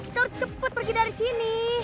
kita harus cepet pergi dari sini